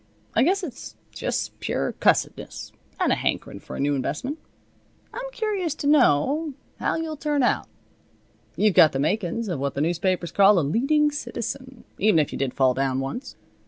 I guess it's just pure cussedness, and a hankerin' for a new investment. I'm curious to know how'll you turn out. You've got the makin's of what the newspapers call a Leading Citizen, even if you did fall down once.